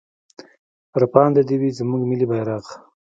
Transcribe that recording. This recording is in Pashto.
راپانده دې وي زموږ ملي بيرغ.